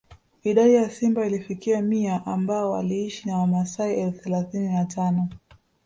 Idadi ya simba ilifikia mia ambao waliishi na wamaasai elfu thelathini na tano